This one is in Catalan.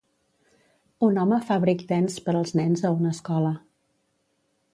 un home fa breakdance per als nens a una escola